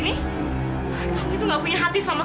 maksud mama apa sih mama